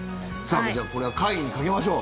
じゃあ、これは会議にかけましょう。